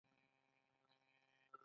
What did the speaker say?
چې قواعد جوړوي.